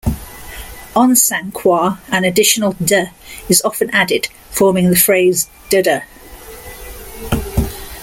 On Saint Croix, an additional "deh" is often added, forming the phrase "deh-deh".